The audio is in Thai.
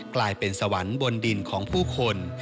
กลายเป็นสวรรค์บนดินของผู้คน